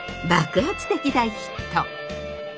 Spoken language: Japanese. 爆発的大ヒット！